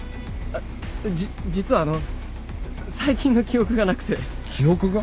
じ実はあの最近の記憶がなくて。記憶が？